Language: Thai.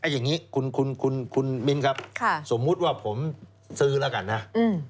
อย่างนี้คุณคุณมิ้นครับค่ะสมมุติว่าผมซื้อแล้วกันนะอืม